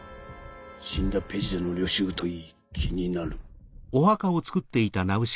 死んだペジテの虜囚といい気になる。